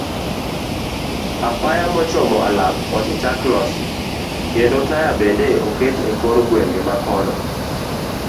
Apaya mochomo alap osechak losi kendo taya bende oket e kor gwenge makono.